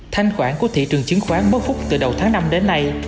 thanh khoản của thị trường chứng khoán bớt phúc từ đầu tháng năm đến nay